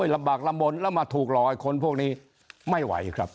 ลำบากลำบลแล้วมาถูกหลอกไอ้คนพวกนี้ไม่ไหวครับ